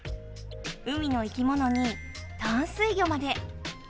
海の生き物に淡水魚まで。